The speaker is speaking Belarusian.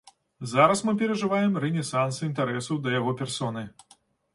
Зараз мы перажываем рэнесанс інтарэсу да яго персоны.